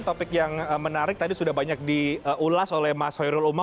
topik yang menarik tadi sudah banyak diulas oleh mas hoirul umam dan juga mas agus malas